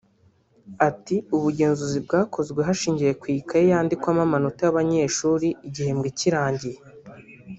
Ati “Ubugenzuzi bwakozwe hashingiwe ku ikaye yandikwamo amanota y’abanyeshuri igihembwe kirangiye